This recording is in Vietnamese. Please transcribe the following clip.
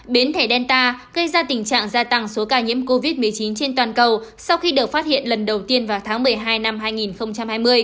biến thể delta gây ra tình trạng gia tăng số ca nhiễm covid một mươi chín trên toàn cầu sau khi được phát hiện lần đầu tiên vào tháng một mươi hai năm hai nghìn hai mươi